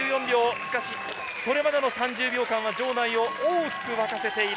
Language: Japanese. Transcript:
それまでの３０秒間は場内を大きく沸かせている。